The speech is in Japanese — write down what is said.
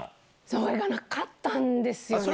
それがなかったんですよね。